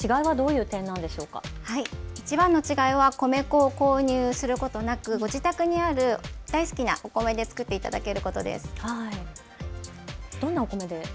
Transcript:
いちばんの違いは米粉を購入することなくご自宅にある大好きなお米で作っていただけることです。